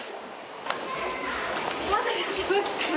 お待たせしました。